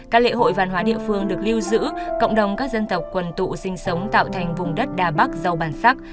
các lễ hội văn hóa địa phương được lưu giữ cộng đồng các dân tộc quần tụ sinh sống tạo thành vùng đất đà bắc giàu bản sắc